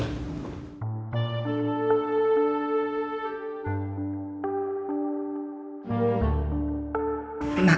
tante mau gak mau makan